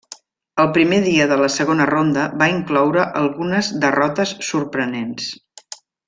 El primer dia de la segona ronda va incloure algunes derrotes sorprenents.